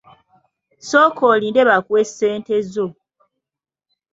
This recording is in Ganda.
Sooka olinde bakuwe ssente zo.